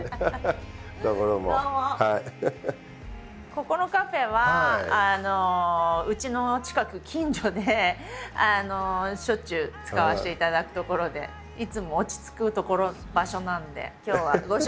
ここのカフェはうちの近く近所でしょっちゅう使わせていただく所でいつも落ち着く所場所なので今日はご招待しました。